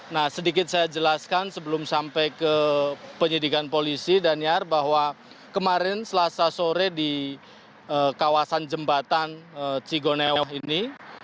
nah sedikit saya jelaskan sebelum sampai ke penyidikan polisi daniar bahwa kemarin selasa sore di kawasan jembatan cigoneo ini